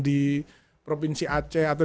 di provinsi aceh atau